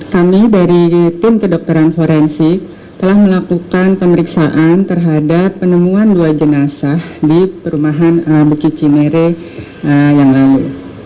kami dari tim kedokteran forensik telah melakukan pemeriksaan terhadap penemuan dua jenazah di perumahan bukit cinere yang lalu